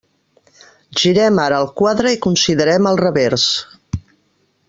Girem ara el quadre i considerem el revers.